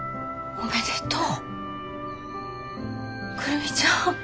おめでとう。